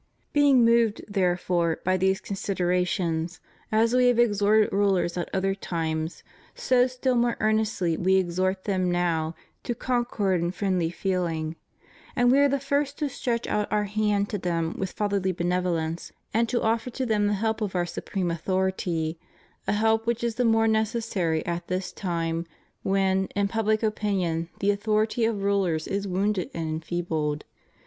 Being moved, therefore, by these considerations, as We have exhorted rulers at other times, so still more earnestly We exhort them now, to concord and friendly feeling; and We are the first to stretch out Our hand to them with fatherly benevolence, and to offer to them the help of Our jsupreme authority, a help which is the more necessary at this time when, in public opinion, the authority of rulers is wounded and enfeebled.